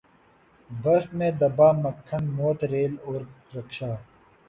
برف میں دبا مکھن موت ریل اور رکشا